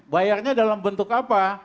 bayarnya dalam bentuk apa